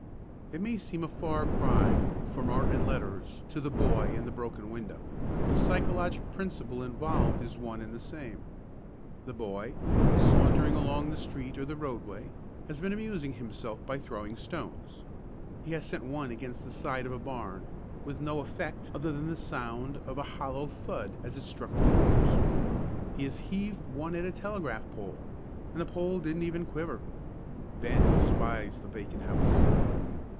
It may seem a far cry from art and letters to the boy and the broken window, but the psychologic principle involved is one and the same. The boy, sauntering along the street or the roadway, has been amusing himself by throwing stones. He has sent one against the side of a barn with no effect other than the sound of a hollow thud as it struck the boards. He has heaved one at a telegraph pole, and the pole didn't even quiver. Then he spies the vacant house.